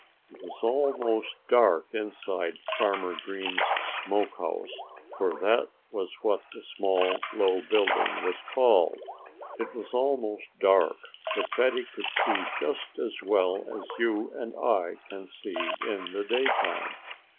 It was almost dark inside Farmer Green's smokehouse for that was what the small, low building was called. It was almost dark; but Fatty could see just as well as you and I can see in the daytime.